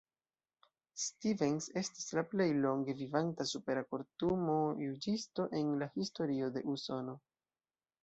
Stevens estas la plej longe vivanta Supera-Kortumo-juĝisto en la historio de Usono.